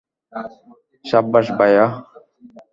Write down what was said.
সাব্বাশ, ভায়া।